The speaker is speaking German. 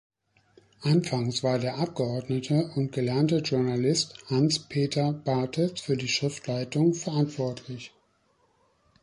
Anfangs war der Abgeordnete und gelernte Journalist Hans-Peter Bartels für die Schriftleitung verantwortlich.